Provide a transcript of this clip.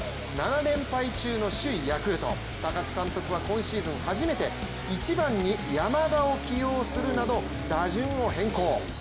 ７連敗中の首位・ヤクルト高津監督は今シーズン初めて１番に山田を起用するなど打順を変更。